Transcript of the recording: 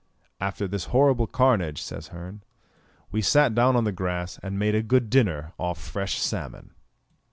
"After this horrible carnage," says Hearn, "we sat down on the grass, and made a good dinner off fresh salmon."